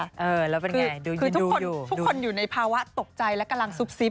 คือทุกคนทุกคนอยู่ในภาวะตกใจและกำลังซุบซิบ